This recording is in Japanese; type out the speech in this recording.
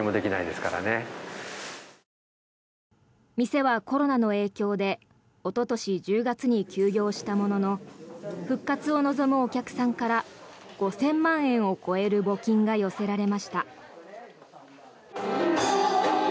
店はコロナの影響でおととし１０月に休業したものの復活を望むお客さんから５０００万円を超える募金が寄せられました。